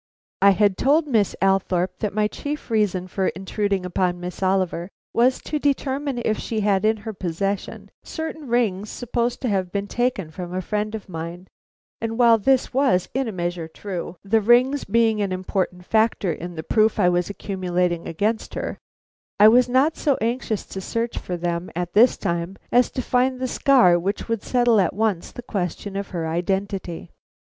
I had told Miss Althorpe that my chief reason for intruding upon Miss Oliver, was to determine if she had in her possession certain rings supposed to have been taken from a friend of mine; and while this was in a measure true the rings being an important factor in the proof I was accumulating against her, I was not so anxious to search for them at this time as to find the scar which would settle at once the question of her identity.